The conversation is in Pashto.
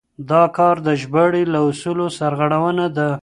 دا کار د ژباړې له اصولو سرغړونه ده.